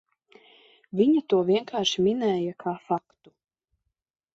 Viņa to vienkārši minēja kā faktu.